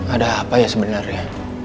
ada apa ya sebenarnya